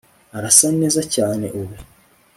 arasa neza cyane ubu